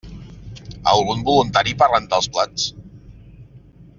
Algun voluntari per rentar els plats?